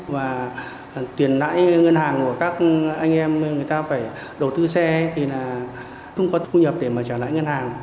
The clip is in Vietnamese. và tiền lãi ngân hàng của các anh em người ta phải đầu tư xe thì cũng có thu nhập để trả lãi ngân hàng